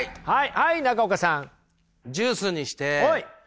はい中岡さん。